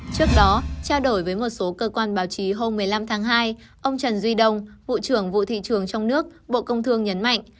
trước đó trao đổi với một số cơ quan báo chí hôm một mươi năm tháng hai ông trần duy đông vụ trưởng vụ thị trường trong nước bộ công thương nhấn mạnh